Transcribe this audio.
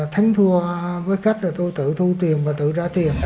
thánh thua với khách là tôi tự thu tiền và tự ra tiền